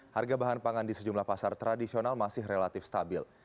harga bahan pangan di sejumlah pasar tradisional masih relatif stabil